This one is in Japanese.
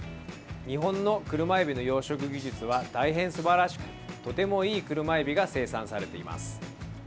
日本のクルマエビの養殖技術は大変すばらしくとてもいいクルマエビが生産されています。